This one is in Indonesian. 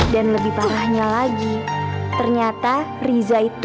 dan lebih parahnya lagi ternyata riza itu